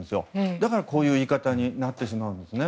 だからこういう言い方になってしまうんですね。